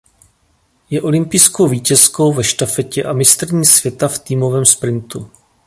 Je olympijskou vítězkou ve štafetě a mistryní světa v týmovém sprintu.